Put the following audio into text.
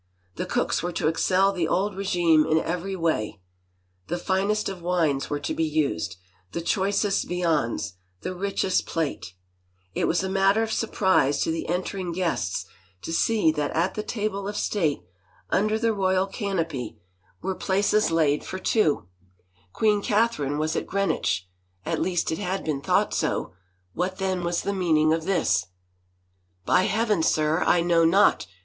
The cooks were to excel the old regime in every way ; the finest of wines were to be used, the choicest viands, the richest plate. It was a matter of surprise to the entering guests to see that at the table of state under the royal canopy, 216 "This satin — this scarlet satin!' admired Anne." LADY ANNE ROCHFORD were places laid for two. Queen Catherine was at Greenwich — at least it had been thought so — what then was the meaning of this? " By Heaven, sir, I know not